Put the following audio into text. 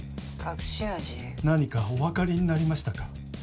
何かお分かりになりましたか？